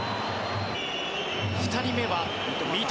２人目は三笘。